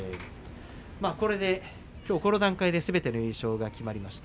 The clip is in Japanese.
これできょう、この段階ですべての優勝が決まりました。